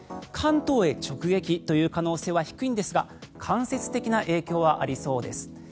関東へ直撃という可能性は低いんですが間接的な影響はありそうです。